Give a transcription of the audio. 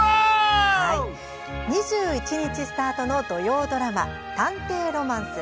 ２１日スタートの土曜ドラマ「探偵ロマンス」。